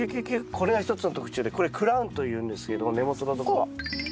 これが一つの特徴でこれクラウンというんですけれども根元のところ。